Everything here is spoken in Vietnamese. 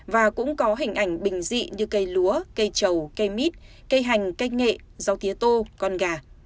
và cũng có hình ảnh bình dị như cây lúa cây trầu cây mít cây hành cây nghệ rau tía tô con gà